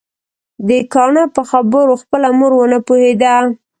د کاڼه په خبرو خپله مور ونه پوهيده